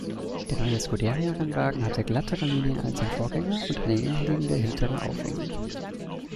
Der neue Scuderia-Rennwagen hatte glattere Linien als sein Vorgänger und eine innenliegende hintere Aufhängung.